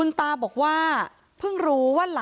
เป็นมีดปลายแหลมยาวประมาณ๑ฟุตนะฮะที่ใช้ก่อเหตุ